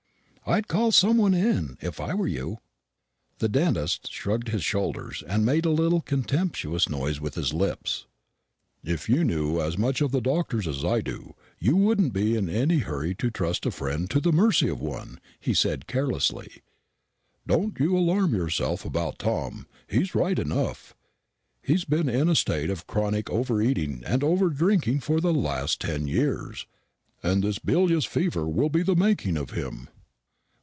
I'd call some one in, if I were you." The dentist shrugged his shoulders, and made a little contemptuous noise with his lips. "If you knew as much of doctors as I do, you wouldn't be in any hurry to trust a friend to the mercy of one," he said carelessly. "Don't you alarm yourself about Tom. He's right enough. He's been in a state of chronic over eating and over drinking for the last ten years, and this bilious fever will be the making of him."